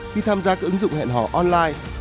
khi tham gia các ứng dụng hẹn hò online